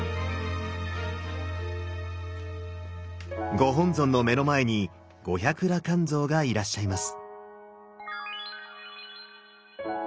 ご本尊の目の前に五百羅漢像がいらっしゃいます。